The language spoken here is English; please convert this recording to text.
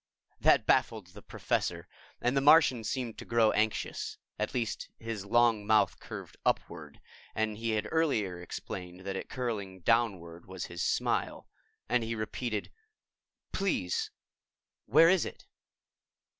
That baffled the Professor and the Martian seemed to grow anxious at least his long mouth curved upward, and he had earlier explained that it curling downward was his smile and he repeated, "Please, where is it?"